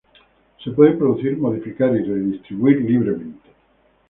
se pueden producir, modificar y redistribuir libremente